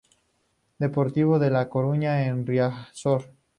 Deportivo de La Coruña en Riazor.